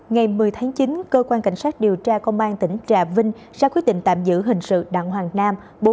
ngày một mươi tháng chín cơ quan cảnh sát điều tra công an tỉnh trà vinh ra quyết định tạm giữ hình sự đặng hoàng nam